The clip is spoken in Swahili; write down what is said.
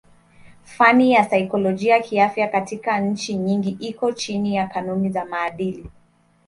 Fani ya saikolojia kiafya katika nchi nyingi iko chini ya kanuni za maadili.